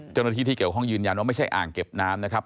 เจ้าหน้าที่ที่เกี่ยวข้องยืนยันว่าไม่ใช่อ่างเก็บน้ำนะครับ